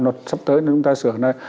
luật sắp tới chúng ta sửa lại